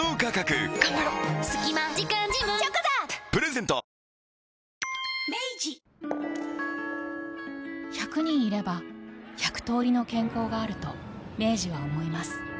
サントリー１００人いれば１００通りの健康があると明治は思います